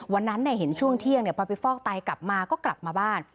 วันนั้นเห็นช่วงเที่ยงพอไปฟอกไตกลับมาก็กลับมาบ้าน